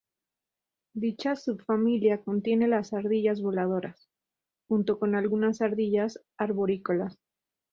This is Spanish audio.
Dicha subfamilia contiene las ardillas voladoras, junto con algunas ardillas arborícolas.